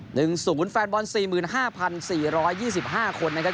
หนึ่งศูนย์แฟนบอลสี่หมื่นห้าพันสี่ร้อยยี่สิบห้าคนนะครับ